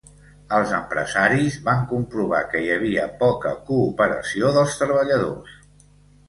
Els empresaris van comprovar que hi havia poca cooperació dels treballadors.